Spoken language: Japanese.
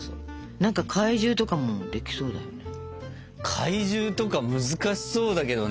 何か怪獣とかもできそうだよね。